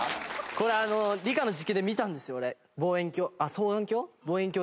これあの理科の実験で見たんですよ俺。